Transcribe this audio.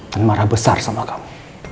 dan marah besar sama kamu